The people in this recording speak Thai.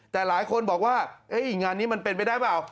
แต่หลายคนบอกว่างานนี้มันเป็นไปได้เปล่า